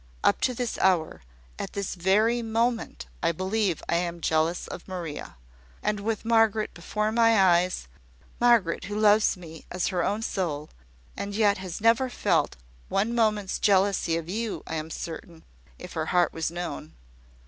Up to this hour at this very moment, I believe I am jealous of Maria and with Margaret before my eyes Margaret, who loves me as her own soul, and yet has never felt one moment's jealousy of you, I am certain, if her heart was known."